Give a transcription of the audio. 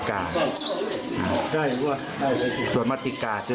สายลูกไว้อย่าใส่